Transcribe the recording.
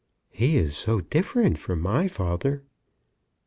"He is so different from my father."